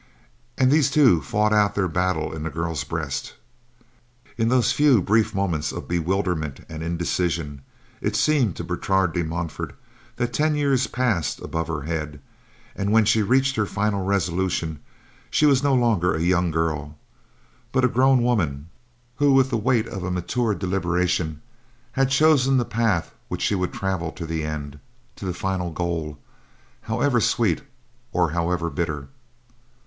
And these two fought out their battle in the girl's breast. In those few brief moments of bewilderment and indecision, it seemed to Bertrade de Montfort that ten years passed above her head, and when she reached her final resolution she was no longer a young girl but a grown woman who, with the weight of a mature deliberation, had chosen the path which she would travel to the end—to the final goal, however sweet or however bitter.